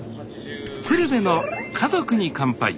「鶴瓶の家族に乾杯」